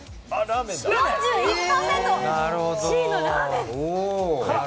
４１％、Ｃのラーメン。